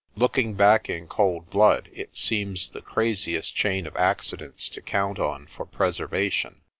Looking back in cold blood, it seems the craziest chain of accidents to count on for preservation.